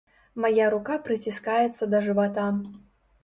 Мая рука прыціскаецца да жывата.